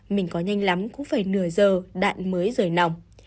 mình có nhanh lắm cũng phải nửa giờ đạn mới rời nòng